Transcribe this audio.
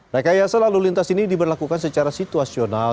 rekayasa lalu lintas ini diberlakukan secara situasional